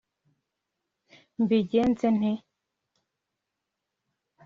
mbigenze nte